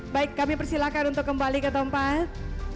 baik kami persilakan untuk kembali ke tempat